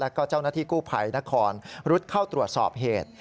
แล้วก็เจ้าหน้าที่กู้ภัยนครรุดเข้าตรวจสอบเหตุ